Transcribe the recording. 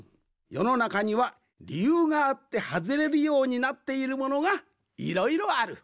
よのなかにはりゆうがあってはずれるようになっているものがいろいろある。